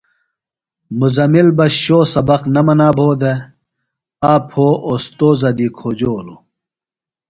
مزمل بہ شو سبق نہ منا بھو دےۡ۔ آ پھوۡ اُوستوذہ دی کھوجولوۡ۔